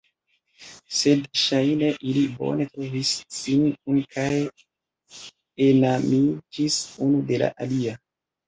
Sed ŝajne ili bone trovis sin kune kaj enamiĝis unu de la alia.